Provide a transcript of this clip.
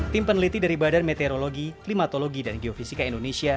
tim peneliti dari badan meteorologi klimatologi dan geofisika indonesia